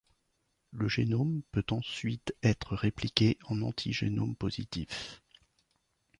Le génome peut ensuite être répliqué en antigénome positif.